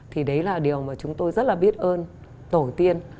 thì đấy là điều mà chúng tôi rất là biết ơn tổ tiên